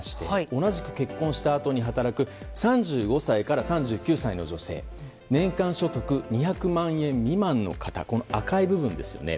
同じく結婚したあとに働く３５歳から３９歳の女性年間所得２００万円未満の方赤い部分ですね。